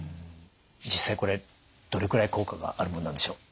実際これどれくらい効果があるもんなんでしょう？